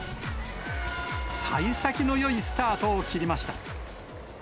さい先のよいスタートを切りました。